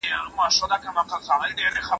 پرګنو د خپلو سیمو ساتنه وکړه.